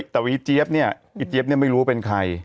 แต่เจ๊มอยล่ะค่ะ